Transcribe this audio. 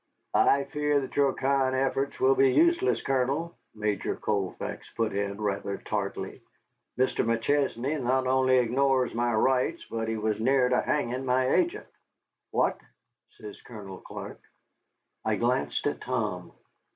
"I fear that your kind efforts will be useless, Colonel," Major Colfax put in, rather tartly. "Mr. McChesney not only ignores my rights, but was near to hanging my agent." "What?" says Colonel Clark. I glanced at Tom.